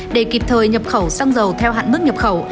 để kịp thời nhập khẩu xăng dầu theo hạn mức nhập khẩu